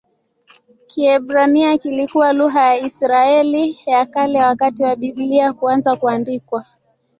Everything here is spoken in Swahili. Kiebrania kilikuwa lugha ya Israeli ya Kale wakati wa Biblia kuanza kuandikwa.